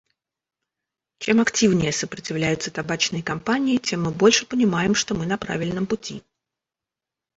Чем активнее сопротивляются табачные компании, тем мы больше понимаем, что мы на правильном пути.